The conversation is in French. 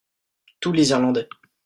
Tous les Irlandais.